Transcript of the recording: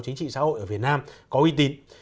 chính trị xã hội ở việt nam có uy tín